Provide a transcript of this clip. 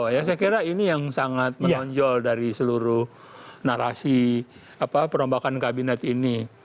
saya kira ini yang sangat menonjol dari seluruh narasi perombakan kabinet ini